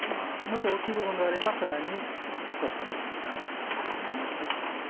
もし大きい部分があればさらに少しこのように刻んでください。